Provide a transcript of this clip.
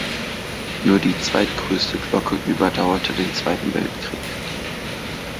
Nur die zweitgrößte Glocke überdauerte den Zweiten Weltkrieg.